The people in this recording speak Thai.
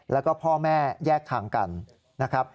แล้วก็พ่อแม่แยกทางกันนะครับ